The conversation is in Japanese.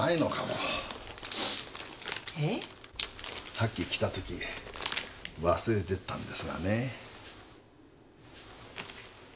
さっき来たとき忘れてったんですがね。